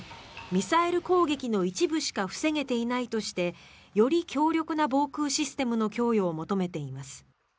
ミサイル攻撃の一部しか防げていないとしてより強力な防空システムの供与を求めています。